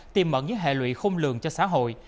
tìm mận những hệ lụy khung lường cho xã hội